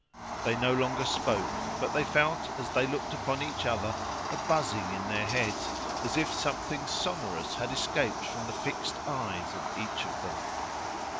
They no longer spoke, but they felt as they looked upon each other a buzzing in their heads, as if something sonorous had escaped from the fixed eyes of each of them.